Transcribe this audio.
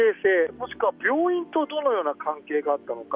もしくは病院とどのような関係があったのか。